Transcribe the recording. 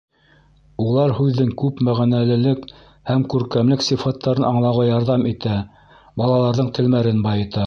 Улар һүҙҙең күп мәғәнәлелек һәм күркәмлек сифаттарын аңлауға ярҙам итә, балаларҙың телмәрен байыта.